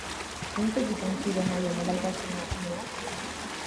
Zeintzuk izan ziren haien alaitasun uneak?